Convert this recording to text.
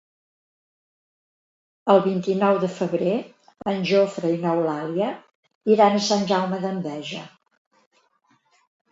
El vint-i-nou de febrer en Jofre i n'Eulàlia iran a Sant Jaume d'Enveja.